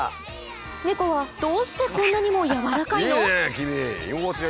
ネコはどうしてこんなにもやわらかいの？